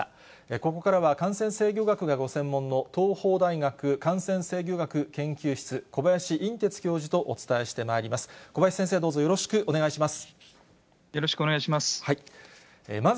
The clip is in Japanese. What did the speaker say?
ここからは感染制御学がご専門の東邦大学感染制御学研究室、小林寅てつ教授とお伝えしてまいります。